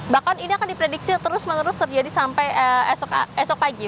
bahkan ini akan diprediksi terus menerus terjadi sampai esok pagi